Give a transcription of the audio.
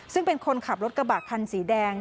ซึ่งเป็นคนขับรถกระบะคันสีแดง